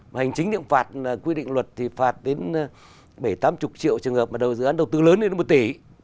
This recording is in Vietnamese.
hành chính liệu phạt quy định luật thì phạt đến bảy mươi tám mươi triệu trường hợp mà dự án đầu tư lớn lên đến một tỷ